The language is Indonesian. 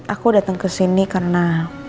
aku dateng kesini karena